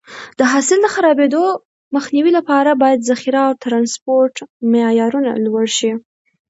د حاصل د خرابېدو مخنیوي لپاره باید ذخیره او ټرانسپورټ معیارونه لوړ شي.